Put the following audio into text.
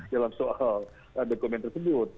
dalam soal dokumen tersebut